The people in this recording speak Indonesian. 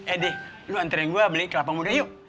eh d lu anterin gua beli kelapa muda yuk